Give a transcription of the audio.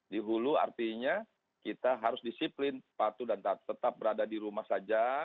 di hulu artinya kita harus disiplin patuh dan tetap berada di rumah saja